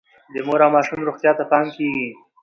د مور او ماشوم روغتیا ته پام کیږي.